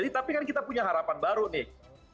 tapi kan kita punya harapan baru nih